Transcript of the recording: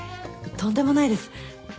とんでもないです。